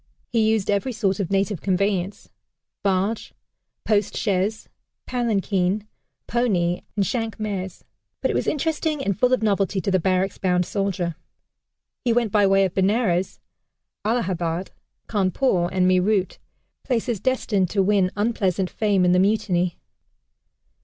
He used every sort of native conveyance barge, post chaise, palanquin, pony, and "shank's mares" but it was interesting and full of novelty to the barracks bound soldier. He went by way of Benares, Allahabad, Cawnpore, and Meerut places destined to win unpleasant fame in the Mutiny.